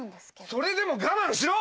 それでも我慢しろ！